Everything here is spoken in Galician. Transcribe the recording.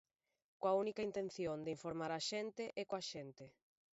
Coa única intención de informar a xente e coa xente.